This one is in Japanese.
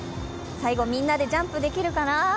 最後、みんなでジャンプできるかな？